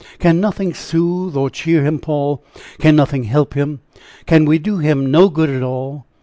Can nothing soothe or cheer him, Paul? Can nothing help him? Can we do him no good at all?